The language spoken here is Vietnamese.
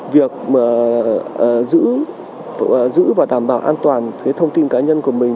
việc giữ và đảm bảo an toàn thông tin cá nhân của mình